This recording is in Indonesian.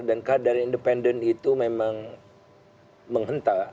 dan kadar independen itu memang